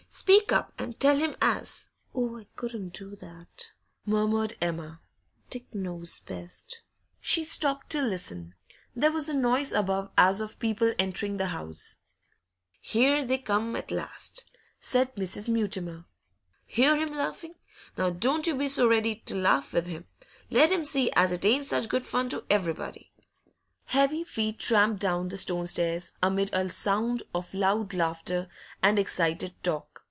Speak up and tell him as ' 'Oh, I couldn't do that!' murmured Emma. 'Dick knows best.' She stopped to listen; there was a noise above as of people entering the house. 'Here they come at last,' said Mrs. Mutimer. 'Hear him laughin'? Now, don't you be so ready to laugh with him. Let him see as it ain't such good fun to everybody.' Heavy feet tramped down the stone stairs, amid a sound of loud laughter and excited talk.